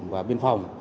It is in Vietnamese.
và biên phòng